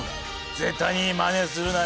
絶対にマネするなよ。